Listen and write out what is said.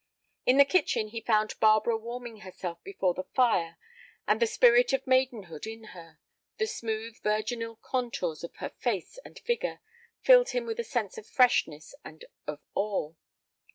In the kitchen he found Barbara warming herself before the fire, and the spirit of maidenhood in her, the smooth, virginal contours of her face and figure, filled him with a sense of freshness and of awe.